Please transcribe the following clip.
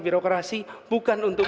birokrasi bukan untuk